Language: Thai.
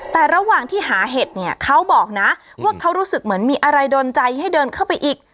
แต่ระหว่างที่หาเห็ดเนี่ยเขาบอกนะว่าเขารู้สึกเหมือนมีอะไรโดนใจให้เดินเข้าไปอีก